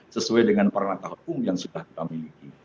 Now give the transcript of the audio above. sesuai dengan peranata hukum yang sudah kita miliki